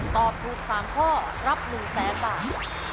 ตอบถูก๓ข้อรับ๑๐๐๐๐บาท